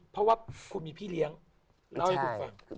เพราะว่าคุณมีพี่เลี้ยงเล่าให้คุณฟัง